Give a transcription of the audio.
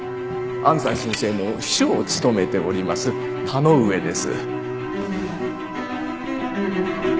安斎先生の秘書を務めております田之上です。